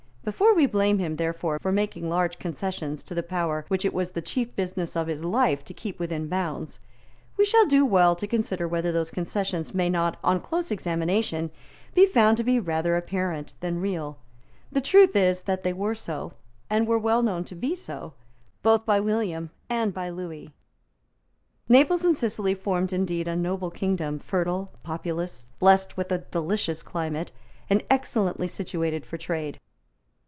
Before we blame him, therefore, for making large concessions to the power which it was the chief business of his life to keep within bounds, we shall do well to consider whether those concessions may not, on close examination, be found to be rather apparent than real. The truth is that they were so, and were well known to be so both by William and by Lewis. Naples and Sicily formed indeed a noble kingdom, fertile, populous, blessed with a delicious climate, and excellently situated for trade.